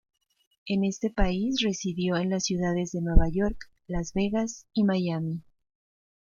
En ese país residió en las ciudades de Nueva York, Las Vegas y Miami.